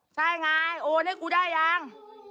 ใช่ไงโอนให้กูได้ยัง